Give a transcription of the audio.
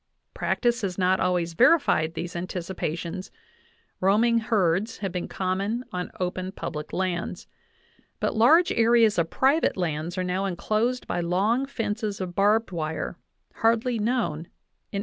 Practice has not always verified these anticipations ; roaming heads have been common on open public lands ; but large areas of private lands are now enclosed by long fences of barbed wire, hardly known in 1879.